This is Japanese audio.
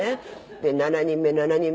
で７人目７人目ね。